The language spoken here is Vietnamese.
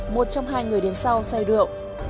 một trong hai người đến sau say rượu